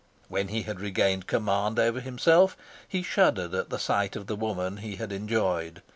When he had regained command over himself, he shuddered at the sight of the woman he had enjoyed.